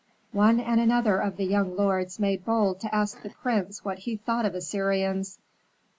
One and another of the young lords made bold to ask the prince what he thought of Assyrians.